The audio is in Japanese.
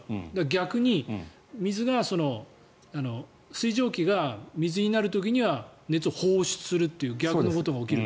逆に、水蒸気が水になる時には熱を放出するという逆のことが起きると。